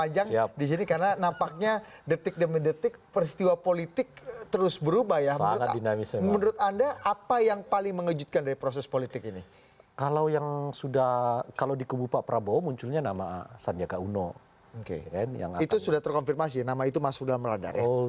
jelang penutupan pendaftaran